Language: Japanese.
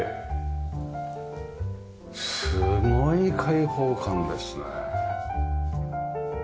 すごい開放感ですね。